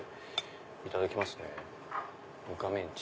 いただきますねぬかメンチ。